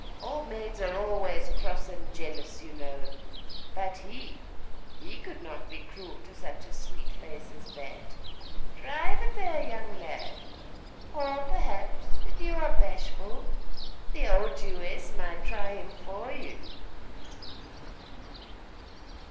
Old maids are always cross and jealous, you know. But he he could not be cruel to such a sweet face as that. Try the fair young lad! Or, perhaps, if you are bashful, the old Jewess might try him for you?